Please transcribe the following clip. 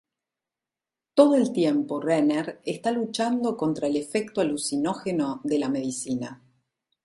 Todo el tiempo Renner está luchando contra el efecto alucinógeno de la medicina.